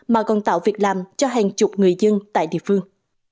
mà còn tạo việc làm cho hàng chục người dân tại địa phương